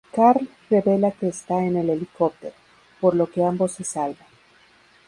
Carl revela que está en el helicóptero, por lo que ambos se salvan.